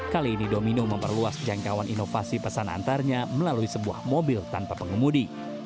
kali ini domino memperluas jangkauan inovasi pesan antarnya melalui sebuah mobil tanpa pengemudi